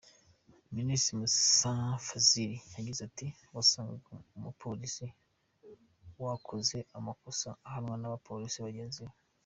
Ministiri Musa Fazil yagize ati “Wasangaga umupolisi wakoze amakosa ahanwa n’abapolisi bagenzi be.